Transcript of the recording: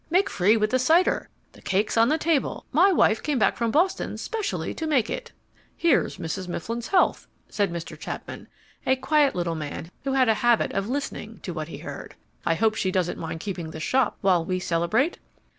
Make free with the cider. The cake's on the table. My wife came back from Boston specially to make it." "Here's Mrs. Mifflin's health!" said Mr. Chapman, a quiet little man who had a habit of listening to what he heard. "I hope she doesn't mind keeping the shop while we celebrate?"